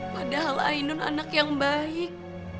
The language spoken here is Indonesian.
padahal ainun anak yang baik